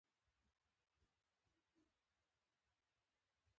او د خاورې د مینې په زور